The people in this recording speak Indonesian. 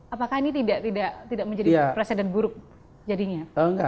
apakah ini tidak menjadi presiden buruk jadinya